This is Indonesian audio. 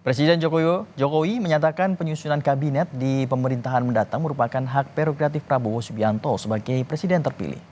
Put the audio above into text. presiden jokowi menyatakan penyusunan kabinet di pemerintahan mendatang merupakan hak prerogatif prabowo subianto sebagai presiden terpilih